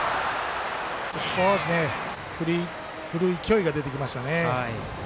少し振りに勢いが出てきましたね。